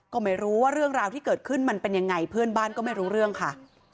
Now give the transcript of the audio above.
ก็ไม่รู้ว่าเรื่องราวที่เกิดขึ้นมันเป็นยังไงเพื่อนบ้านก็ไม่รู้เรื่องค่ะ